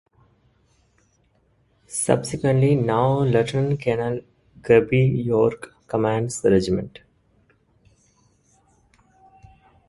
Subsequently, now Lieutenant-Colonel Kirby York commands the regiment.